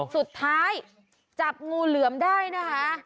สุดท้ายจับงูเหลือมได้นะคะ